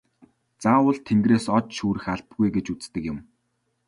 Заавал тэнгэрээс од шүүрэх албагүй гэж үздэг юм.